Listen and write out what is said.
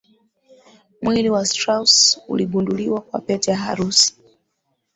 mwili wa strauss uligunduliwa kwa pete ya harusi